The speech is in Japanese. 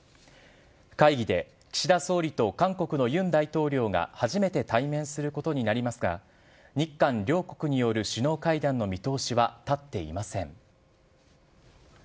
会議で、岸田総理と韓国のユン大統領が初めて対面することになりますが、日韓両国による首脳会談の見通しは立っていません。